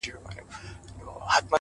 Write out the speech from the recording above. • پټ یې د زړه نڅا منلای نه سم ,